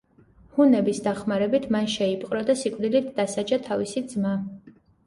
ჰუნების დახმარებით მან შეიპყრო და სიკვდილით დასაჯა თავისი ძმა.